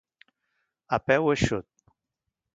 A peu eixut.